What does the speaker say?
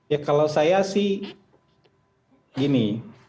ya kalau saya sih gini